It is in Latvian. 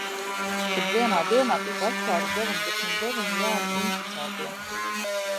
Kad vienā dienā tika atklāti deviņdesmit deviņi jauni inficētie.